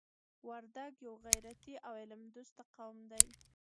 وردګ یو غیرتي او علم دوسته قوم دی.